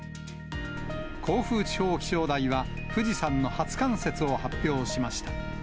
甲府地方気象台は、富士山の初冠雪を発表しました。